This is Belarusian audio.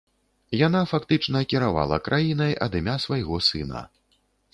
Яна фактычна кіравала краінай ад імя свайго сына.